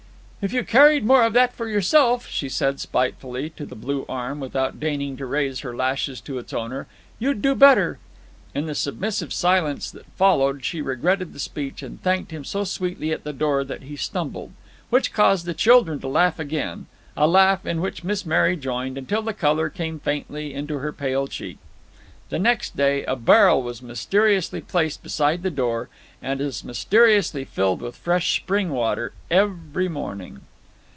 "If you carried more of that for yourself," she said, spitefully, to the blue arm, without deigning to raise her lashes to its owner, "you'd do better." In the submissive silence that followed she regretted the speech, and thanked him so sweetly at the door that he stumbled. Which caused the children to laugh again a laugh in which Miss Mary joined, until the color came faintly into her pale cheek. The next day a barrel was mysteriously placed beside the door, and as mysteriously filled with fresh spring water every morning.